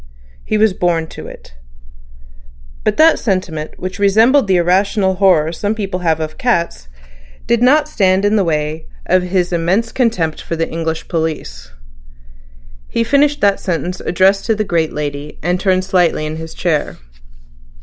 He was born to it. But that sentiment, which resembled the irrational horror some people have of cats, did not stand in the way of his immense contempt for the English police. He finished the sentence addressed to the great lady, and turned slightly in his chair.